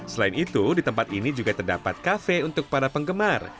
selain itu di tempat ini juga terdapat kafe untuk para penggemar